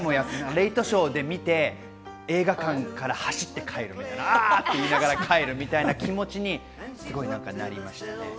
レイトショーで見て、映画館から走って帰るみたいな、ア！って言いながら走りたい気持ちになりましたね。